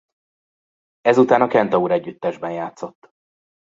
Ezután a Kentaur együttesben játszott.